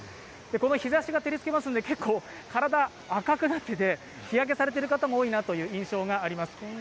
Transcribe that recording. この日ざしが照りつけますので、結構体が赤くなっていて日焼けされている方も多いなという印象があります。